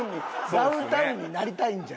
「ダウンタウンになりたいんじゃ！！」